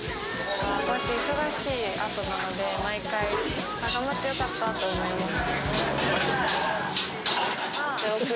こうやって忙しい後なので毎回、頑張ってよかったって思います。